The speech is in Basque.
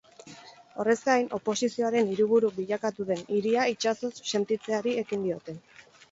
Horrez gain, oposizioaren hiriburu bilakatu den hiria itsasoz setiatzeari ekin diote.